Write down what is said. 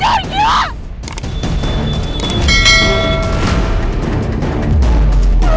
mas jangan oke